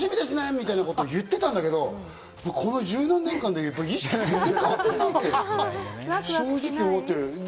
みたいなこと言ってたんだけど、この１０何年間で意識、全然変わってるなって正直、思ってる。